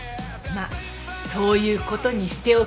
まっそういうことにしておきましょう。